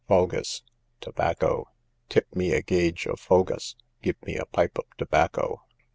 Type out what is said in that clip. Fogus, tobacco: tip me a gage of fogus; give me a pipe of tobacco.